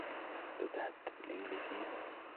اتتحدث الانجليزية ؟